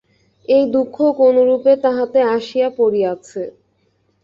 এই দুঃখ কোনরূপে তাহাতে আসিয়া পড়িয়াছে।